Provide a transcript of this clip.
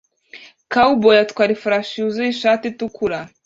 Cowboy atwara ifarashi yuzuye ishati itukura